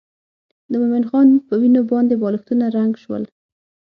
د مومن خان په وینو باندې بالښتونه رنګ شول.